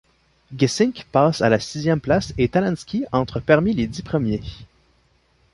Gesink passe à la sixième place et Talansky entre parmi les dix premiers.